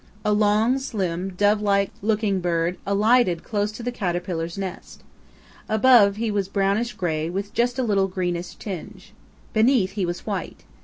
A long, slim Dove like looking bird alighted close to the caterpillar's nest. Above he was brownish gray with just a little greenish tinge. Beneath he was white.